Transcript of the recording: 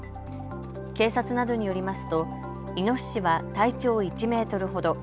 警察などによりますイノシシは体長１メートルほど。